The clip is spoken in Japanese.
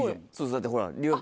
だってほら。